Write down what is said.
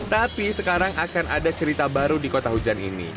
tapi sekarang akan ada cerita baru di kota hujan ini